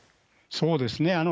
そうですね。